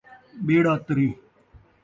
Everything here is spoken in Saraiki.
ٻیڑا تری